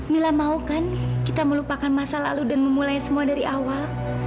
mila mau kan kita melupakan masa lalu dan memulai semua dari awal